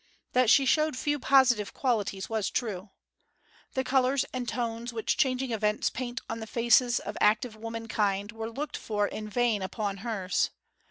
That she showed few positive qualities was true. The colours and tones which changing events paint on the faces of active womankind were looked for in vain upon hers.